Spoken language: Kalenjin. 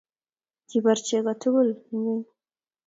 kibaar chego tugul ingweny